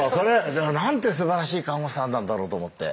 だからなんてすばらしい看護婦さんなんだろうと思って。